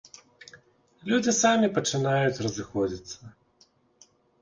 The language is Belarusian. Людзі самі пачынаюць разыходзіцца.